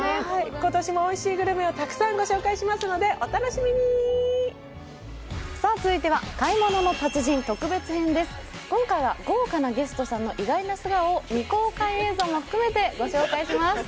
今年もおいしいグルメをたくさんご紹介しますのでお楽しみにさあ続いては今回は豪華なゲストさんの意外な素顔を未公開映像も含めてご紹介します